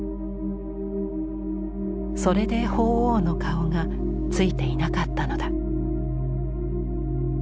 それで鳳凰の顔がついていなかったのだ。